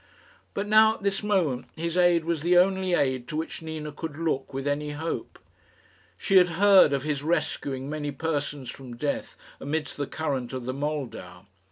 But now, at this moment, his aid was the only aid to which Nina could look with any hope. She had heard of his rescuing many persons from death amidst the current of the Moldau.